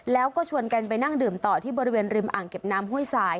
แล้วก็ชวนกันไปนั่งดื่มต่อที่บริเวณริมอ่างเก็บน้ำห้วยสาย